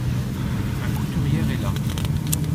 Ma couturière est là !